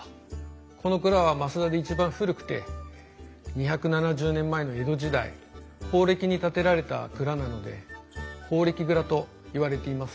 この蔵は増田で一番古くて２７０年前の江戸時代宝暦に建てられた蔵なので宝暦蔵といわれています。